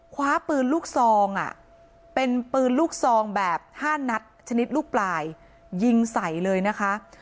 คว้าปืนลูกซองเป็นปืนลูกซองแบบ๕นัดชนิดลูกปลายยิงใส่เลยนะคะ